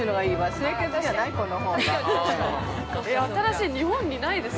清潔じゃない、このほうが。